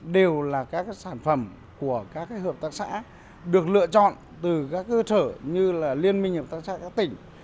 đều là các sản phẩm của các hợp tác xã được lựa chọn từ các cơ sở như liên minh hợp tác xã các tỉnh